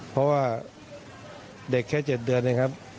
เพราะว่าเด็กแค่๗เดือนเองครับ